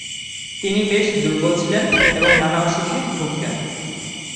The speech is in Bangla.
তিনি বেশ দুর্বল ছিলেন এবং নানা অসুখে ভুগতেন।